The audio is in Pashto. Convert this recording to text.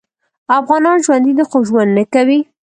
افغانان ژوندي دي خو ژوند نکوي